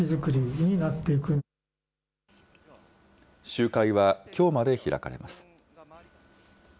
集会はきょうまで開かれます。